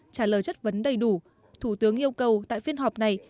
trả lời chất vấn đầy đủ thủ tướng yêu cầu tại phiên họp này